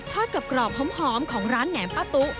ทอดกลับดอกหอมของร้านแนมปลาตุ